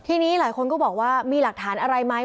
ทีนี้หลายคนก็บอกว่ามีหลักฐานอะไรไหม